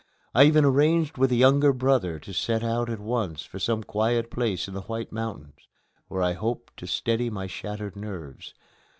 I even arranged with a younger brother to set out at once for some quiet place in the White Mountains, where I hoped to steady my shattered nerves.